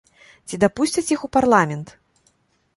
Ці дапусцяць іх у парламент.